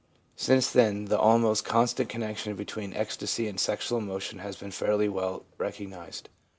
Since then the almost constant connection between ecstasy and sexual emotion has been fairly well re cognised.